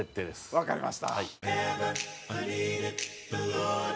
わかりました。